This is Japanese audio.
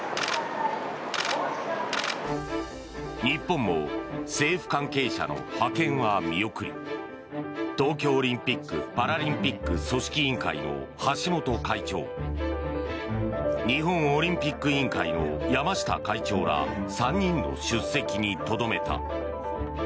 日本も政府関係者の派遣は見送り東京オリンピック・パラリンピック組織委員会の橋本会長日本オリンピック委員会の山下会長ら３人の出席にとどめた。